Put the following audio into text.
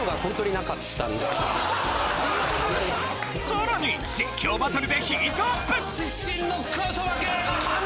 さらに実況バトルでヒートアップ！